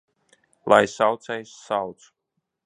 Lai saucējs sauc!